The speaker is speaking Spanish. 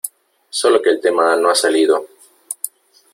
solo que el tema no ha salido .